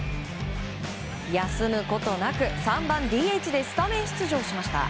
休むことなく３番ＤＨでスタメン出場しました。